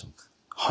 はい。